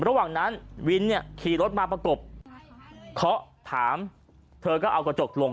ระหว่างนั้นวินเนี่ยขี่รถมาประกบเคาะถามเธอก็เอากระจกลง